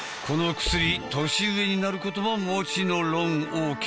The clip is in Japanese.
この薬年上になることももちのろんＯＫ。